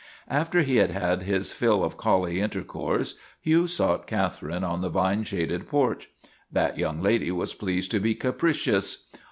After he had had his fill of collie intercourse Hugh sought Catherine on the vine shaded porch. That young lady was pleased to be capricious.